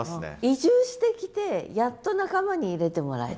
移住してきてやっと仲間に入れてもらえたと。